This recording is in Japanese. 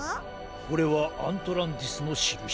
これはアントランティスのしるし。